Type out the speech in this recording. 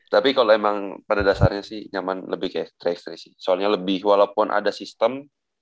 tapi kalau emang pada dasarnya sih nyaman lebih kayak tiga x tiga sih soalnya lebih walaupun ada sistem